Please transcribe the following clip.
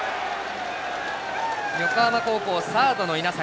横浜高校、サードの稲坂。